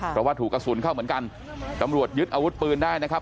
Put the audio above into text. เพราะว่าถูกกระสุนเข้าเหมือนกันตำรวจยึดอาวุธปืนได้นะครับ